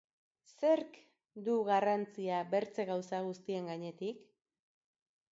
Zerk du garrantzia bertze gauza guztien gainetik?